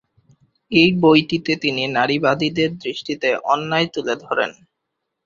এই বইটিতে তিনি নারীবাদীদের দৃষ্টিতে অন্যায় তুলে ধরেন।